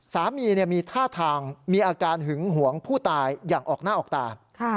สามีมีท่าทางมีอาการหึงหวงผู้ตายอย่างออกหน้าออกตา